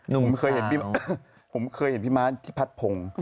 ผมเคยเห็นพี่มาพี่พะพง